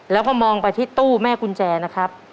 แล้วก็มองไปที่ตู้แม่กุญแจนะครับ